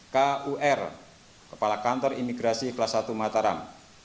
kur kepala kantor imigrasi kelas satu mataram